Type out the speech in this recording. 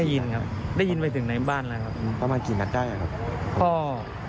ยินครับได้ยินไปถึงในบ้านแล้วครับประมาณกี่นัดได้ครับ